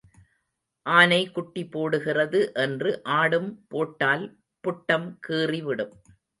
ஆனை குட்டி போடுகிறது என்று ஆடும் போட்டால் புட்டம் கீறி விடும்.